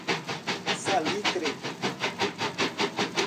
Salitre